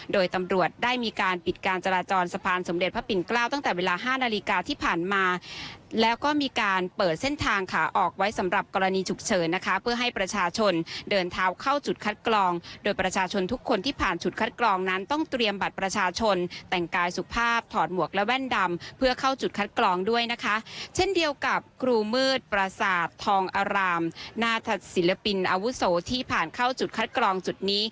โดยตำรวจได้มีการปิดการจราจรสะพานสมเด็จพระปิ่นเกล้าตั้งแต่เวลาห้านาฬิกาที่ผ่านมาแล้วก็มีการเปิดเส้นทางขาออกไว้สำหรับกรณีฉุกเฉินนะคะเพื่อให้ประชาชนเดินเท้าเข้าจุดคัดกรองโดยประชาชนทุกคนที่ผ่านจุดคัดกรองนั้นต้องเตรียมบัตรประชาชนแต่งกายสุขภาพถอดหมวกและแว่นดำเพื่อ